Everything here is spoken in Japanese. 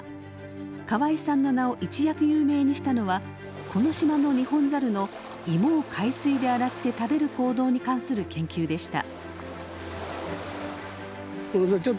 河合さんの名を一躍有名にしたのはこの島のニホンザルのイモを海水で洗って食べる行動に関する研究でした。